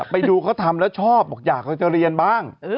ไปดูเขาทำแล้วชอบบอกอยากเราจะเรียนบ้าง